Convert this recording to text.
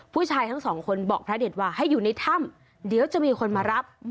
ผู้ชายทั้งสองคนบอกพระเด็ดว่าให้อยู่ในถ้ำเดี๋ยวจะมีคนมารับ